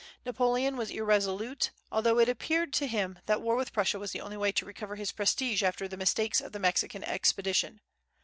Napoleon was irresolute, although it appeared to him that war with Prussia was the only way to recover his prestige after the mistakes of the Mexican expedition.